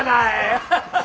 アハハハ！